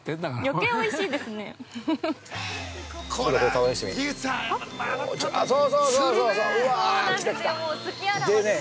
◆余計おいしいですね。